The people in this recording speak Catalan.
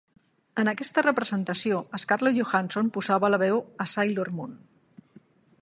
En aquesta representació, Scarlett Johansson posava la veu a Sailor Moon.